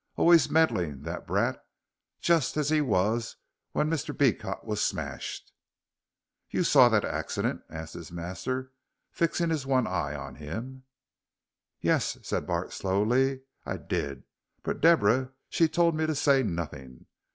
Allays meddlin' that brat, jus' as he wos when Mr. Beecot was smashed." "You saw that accident?" asked his master, fixing his one eye on him. "Yuss," said Bart, slowly, "I did, but Deborah she told me to say nothink.